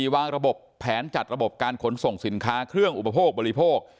วางระบบแผนจัดระบบการขนส่งสินค้าเครื่องอุปโภคบริโภค